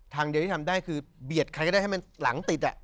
ทางเดียวที่ทำได้คือเบียดใครก็ได้ให้มันหลังติด